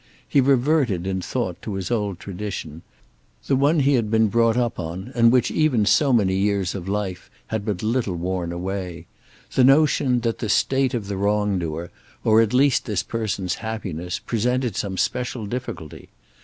He reverted in thought to his old tradition, the one he had been brought up on and which even so many years of life had but little worn away; the notion that the state of the wrongdoer, or at least this person's happiness, presented some special difficulty.